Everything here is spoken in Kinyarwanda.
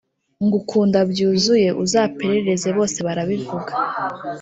ngukunda byuzuyeuzaperereze bose barabivuga